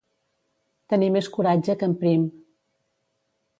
Tenir més coratge que en Prim.